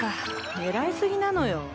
ねらいすぎなのよ。